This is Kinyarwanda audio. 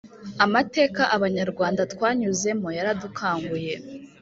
Amateka abanyarwanda twanyuzemo yaradukanguye